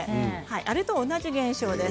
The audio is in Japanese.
あれと同じ現象です。